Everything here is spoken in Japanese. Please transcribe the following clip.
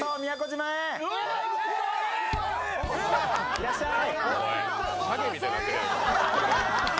いらっしゃい！